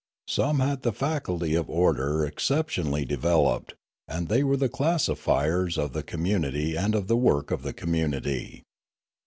Some had the faculty of order exceptionally developed; and they were the classifiers of the com munity and of the work of the community.